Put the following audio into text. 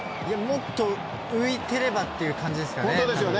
もっと浮いていればという感じですかね。